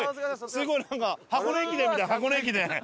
すごいなんか箱根駅伝みたい箱根駅伝。